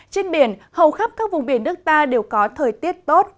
trên biển hầu khắp các vùng biển nước ta đều có thời tiết tốt